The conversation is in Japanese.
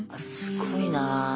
すごいな。